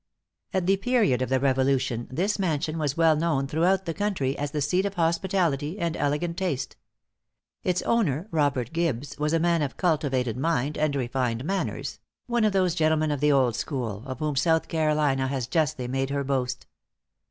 At the period of the Revolution this mansion was well known throughout the country as the seat of hospitality and elegant taste. Its owner, Robert Gibbes, was a man of cultivated mind and refined manners one of those gentlemen of the old school, of whom South Carolina has justly made her boast.